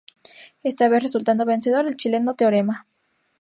Esta vez resultando vencedor el chileno Teorema.